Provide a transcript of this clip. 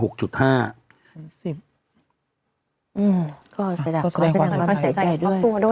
ก็แสดงความสนใจด้วย